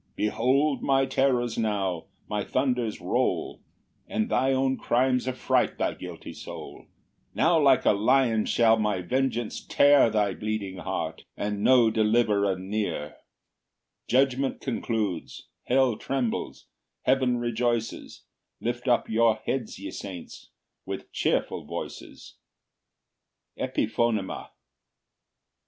14 "Behold my terrors now; my thunders roll, "And thy own crimes affright thy guilty soul; "Now like a lion shall my vengeance tear "Thy bleeding heart, and no deliverer near:" Judgment concludes; hell trembles; heaven rejoices; Lift up your heads, ye saints, with cheerful voices.. EPIPHONEMA.